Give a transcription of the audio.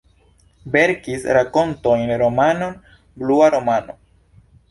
Verkis rakontojn, romanon "Blua romano".